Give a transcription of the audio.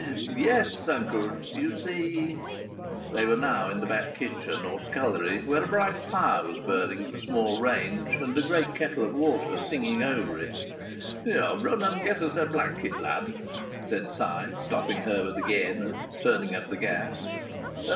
"Yes, uncle. You see " They were now in the back kitchen, or scullery, where a bright fire was burning in a small range and a great kettle of water singing over it. "Run and get us a blanket, lad," said Si, stopping Herbert again, and turning up the gas.